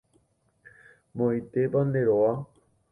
Moõitépa nde róga.